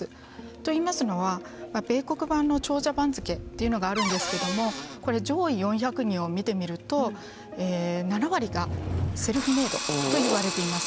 といいますのは米国版の長者番付というのがあるんですけれどもこれ上位４００人を見てみると７割がセルフ・メイドと言われています。